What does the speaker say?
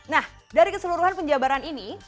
nah dari keseluruhan penjabaran ini